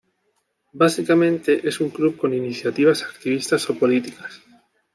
Básicamente es un club con iniciativas activistas o políticas.